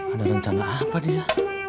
ada rencana apa dia